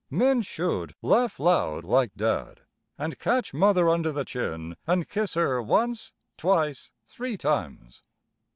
Men should laugh loud like Dad, and catch Mother under the chin and kiss her once, twice, three times.